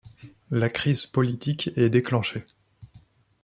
La crise politique est déclenchée.